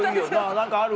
何かある？